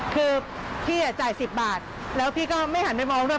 คือพี่จ่าย๑๐บาทแล้วพี่ก็ไม่หันไปมองด้วย